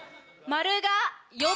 「○」が。